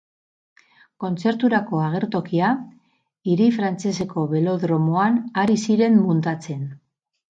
Kontzerturako agertokia hiri frantseseko belodromoan ari ziren muntatzen.